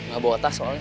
gak bawa tas soalnya